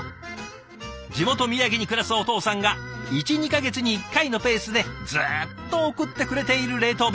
地元宮城に暮らすお父さんが１２か月に１回のペースでずっと送ってくれている冷凍便。